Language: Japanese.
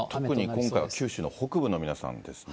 特に今回は九州の北部の皆さんですね。